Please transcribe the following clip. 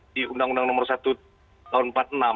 di undang undang nomor satu tahun empat puluh enam